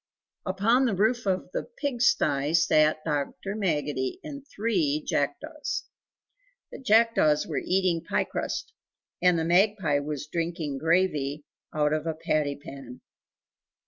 Upon the roof of the pig stye sat Dr. Maggotty and three jackdaws. The jackdaws were eating pie crust, and the magpie was drinking gravy out of a patty pan.